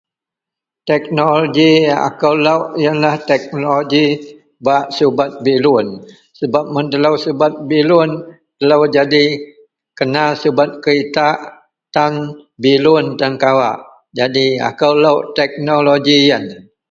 Teknoloji akou lok yenlah teknoloji yen ji bak subet bilun sebab mun telou subet bilun telou kena jadi subet keritak tan bilun tan kawak. Jadi akou lok teknoloji jiyen.